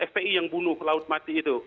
fpi yang bunuh laut mati itu